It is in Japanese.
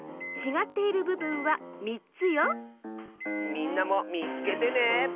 みんなもみつけてね。